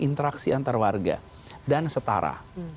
interaksi antar warga dan setara